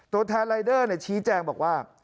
ตัวแทนรายเดอร์ชี้แจงบอกว่า